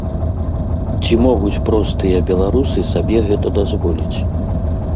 Ці могуць простыя беларусы сабе гэта дазволіць?